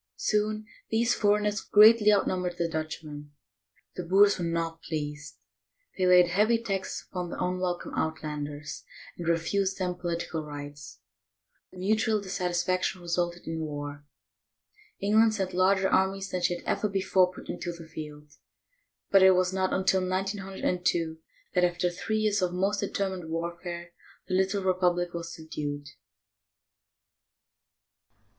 Soon these foreigners greatly outnum bered the Dutchmen. The Boers were not pleased. They laid heavy taxes upon the unwelcome "Outlanders," and refused them political rights. The mutual dissatisfaction re sulted in war. England sent larger armies than she had ever before put into the field, but it was not until 1902 that, after three years of most determined warfare, the little republic was subdued.